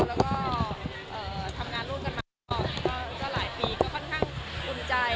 แล้วก็ทำงานร่วมกันมาก็หลายปีก็ค่อนข้างอุ่นใจ